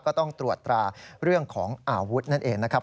ก็ต้องตรวจตราเรื่องของอาวุธนั่นเองนะครับ